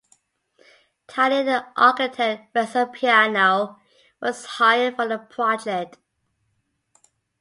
Italian architect Renzo Piano was hired for the project.